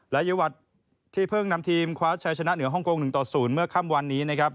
ยวัตรที่เพิ่งนำทีมคว้าชัยชนะเหนือฮ่องกง๑ต่อ๐เมื่อค่ำวันนี้นะครับ